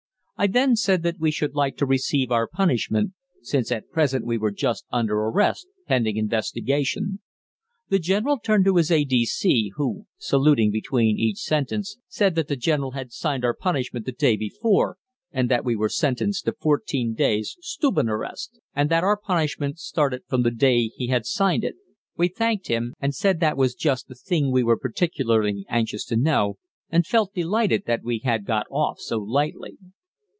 I then said that we should like to receive our punishment, since at present we were just under arrest "pending investigation." The General turned to his A.D.C., who, saluting between each sentence, said that the General had signed our punishment the day before and that we were sentenced to fourteen days' Stubenarrest, and that our punishment started from the day he had signed it. We thanked him, and said that was just the thing we were particularly anxious to know, and felt delighted that we had got off so lightly.